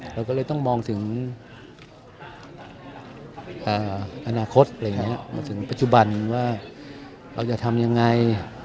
เราก็เลยต้องมองถึงอนาคตถึงปัจจุบันว่าเราจะทำยังไง